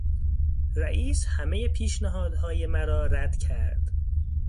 رئیس همهی پیشنهادهای مرا رد کرد.